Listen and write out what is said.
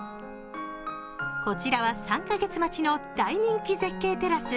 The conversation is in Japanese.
こちらは３カ月待ちの大人気絶景テラス。